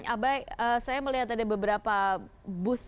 abai saya melihat ada beberapa bus